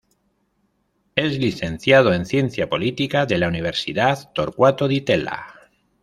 Es Licenciado en Ciencia Política de la Universidad Torcuato Di Tella.